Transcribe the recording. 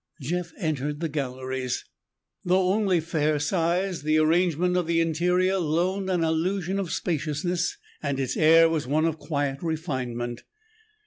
Jeff entered the galleries. Though only fair sized, the arrangement of the interior loaned an illusion of spaciousness and its air was one of quiet refinement.